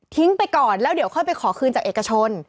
ไปก่อนแล้วเดี๋ยวค่อยไปขอคืนจากเอกชน